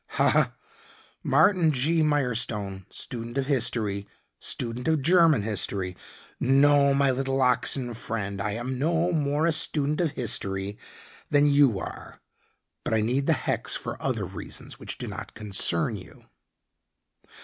"Ha Martin G. Mirestone, student of history, student of German history. No my little oxen friend. I am no more a student of history than you are, but I need the hex for other reasons which do not concern you."